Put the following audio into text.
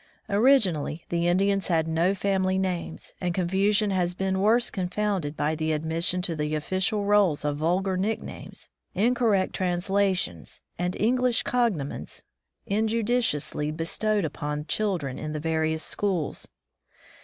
Originally, the Indians had no family names, and confusion has been worse confounded by the admission to the official rolls of vulgar nicknames, incorrect translations, and Eng lish cognomens injudiciously bestowed upon children in the various schools.